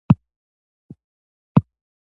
ایا ستاسو وزن نورمال دی؟